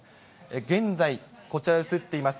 現在、こちらに映っています